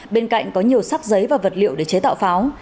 bên cạnh có nhiều sắc giấy và vật liệu để chế tạo pháo